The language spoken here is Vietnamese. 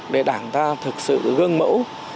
để đảng ta thực sự gương mẫu